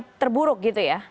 yang terburuk gitu ya